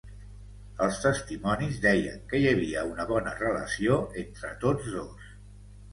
Els testimonis deien que hi havia una bona relació entre tots dos.